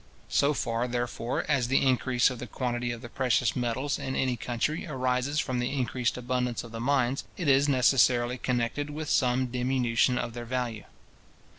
So far, therefore, as the increase of the quantity of the precious metals in any country arises from the increased abundance of the mines, it is necessarily connected with some diminution of their value.